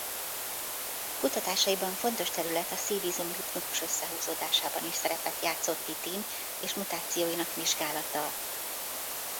Kutatásaiban fontos terület a szívizom ritmikus összehúzódásában is szerepet játszó titin és mutációinak vizsgálata.